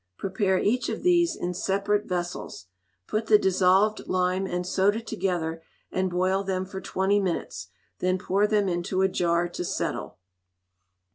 Prepare each of these in separate vessels; put the dissolved lime and soda together, and boil them for twenty minutes; then pour them into a jar to settle.